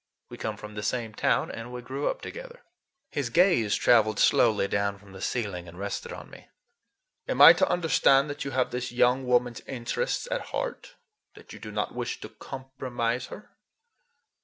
We come from the same town, and we grew up together." His gaze traveled slowly down from the ceiling and rested on me. "Am I to understand that you have this young woman's interests at heart? That you do not wish to compromise her?"